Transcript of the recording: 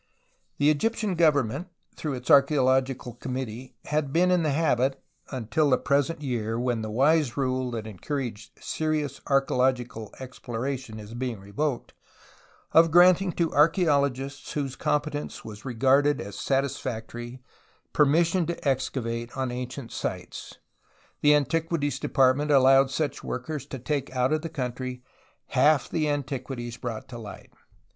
The Egyptian Government through its Archaeological Com mittee has been in the habit (until the present year, when the wise rule that encouraged serious archaeological exploration is being revoked) of granting to archaeologists whose competence was regarded as satisfactory per mission to excavate on ancient sites, and the Antiquities Department allowed such workers to take out of the country half the antiquities brought to light.